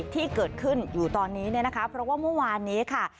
ที่เกิดขึ้นอยู่ตอนนี้เนี่ยนะคะเพราะว่าเมื่อวานนี้ค่ะ